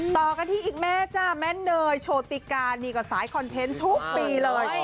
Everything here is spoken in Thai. ต่อกันที่อีกแม่จ้าแม่เนยโชติกานี่ก็สายคอนเทนต์ทุกปีเลย